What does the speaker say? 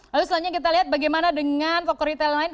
lalu selanjutnya kita lihat bagaimana dengan toko retail lain